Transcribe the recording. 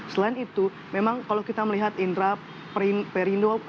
selain itu memang kalau kita melihat indra perindolp adalah